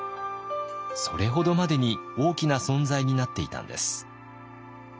それほどまでに大きな存在になっていたんです。